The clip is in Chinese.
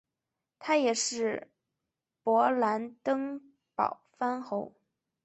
他也是勃兰登堡藩侯。